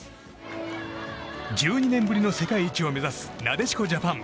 １２年ぶりの世界一を目指すなでしこジャパン。